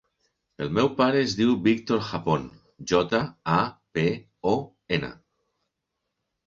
El meu pare es diu Víctor Japon: jota, a, pe, o, ena.